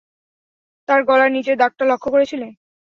তার গলার নীচের দাগটা লক্ষ্য করেছিলে?